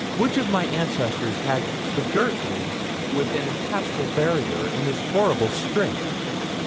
Which of my ancestors had begirt me with an impassable barrier in this horrible strait?